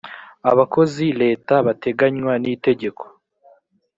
abakozi leta bateganywa n’itegeko